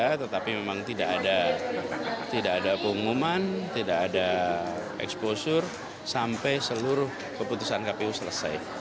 ya tetapi memang tidak ada pengumuman tidak ada exposur sampai seluruh keputusan kpu selesai